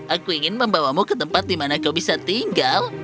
aku ingin membawamu ke tempat di mana kau bisa tinggal